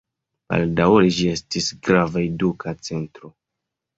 Baldaŭe ĝi estis grava eduka centro.